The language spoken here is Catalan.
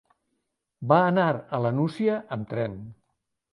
Va anar a la Nucia amb tren.